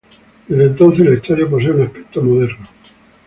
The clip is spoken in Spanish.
Desde entonces, el estadio posee un aspecto moderno.